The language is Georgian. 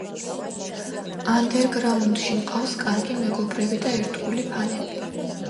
ანდერგრაუნდში მყავს კარგი მეგობრები და ერთგული ფანები.